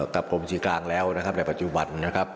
กับกรมบริชีกลางแล้วในปัจจุบันนะครับ